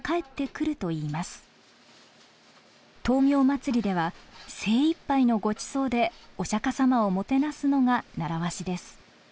灯明祭では精いっぱいのごちそうでお釈様をもてなすのが習わしです。